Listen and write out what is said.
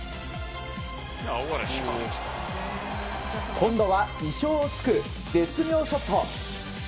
今度は意表を突く絶妙ショット。